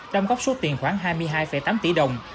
đam góp số tiền khoảng hai mươi hai tám tỷ đồng